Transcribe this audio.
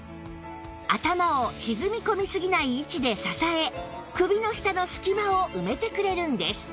頭を沈み込みすぎない位置で支え首の下の隙間を埋めてくれるんです